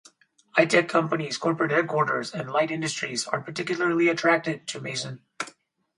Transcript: High-tech companies, corporate headquarters, and light industries are particularly attracted to Mason.